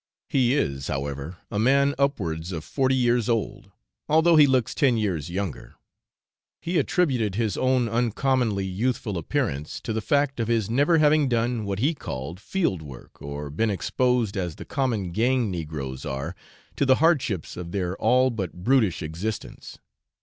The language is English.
He is, however, a man upwards of forty years old, although he looks ten years younger. He attributed his own uncommonly youthful appearance to the fact of his never having done what he called field work, or been exposed, as the common gang negroes are, to the hardships of their all but brutish existence.